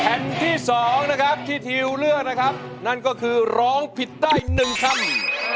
แผ่นที่๒นะครับที่ทิวเลือกนะครับนั่นก็คือร้องผิดได้๑คำ